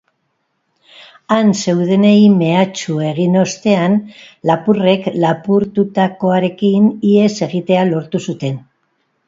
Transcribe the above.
Han zeudenei mehatxu egin ostean, lapurrek lapurtutakoarekin ihes egitea lortu zuten.